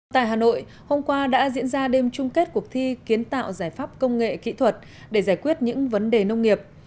tại hà nội hôm qua đã diễn ra đêm chung kết cuộc thi kiến tạo giải pháp công nghệ kỹ thuật để giải quyết những vấn đề nông nghiệp